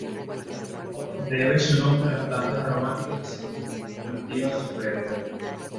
Debe su nombre a las plantas aromáticas que se cultivaban a su alrededor.